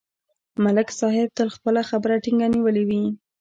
ملک صاحب تل خپله خبره ټینګه نیولې وي